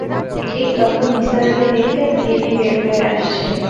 ঠিক তখন নিসার আলি দেখলেন, তিন্নি বের হয়ে আসছে।